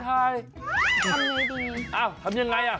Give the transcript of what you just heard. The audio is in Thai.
เอ้าทำยังไงอ่ะ